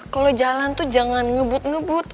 kalau jalan tuh jangan ngebut ngebut